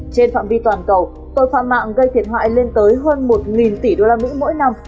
trên phạm vi toàn cầu tội phạm mạng gây thiệt hại lên tới hơn một tỷ đô la mỹ mỗi năm